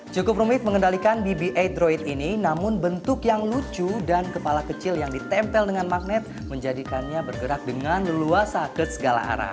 cukup rumit mengendalikan bb delapan droid ini namun bentuk yang lucu dan kepala kecil yang ditempel dengan magnet menjadikannya bergerak dengan leluasa ke segala arah